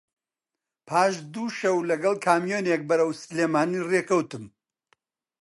پاش دوو شەو لەگەڵ کامیۆنێک بەرەو سلێمانی ڕێ کەوتم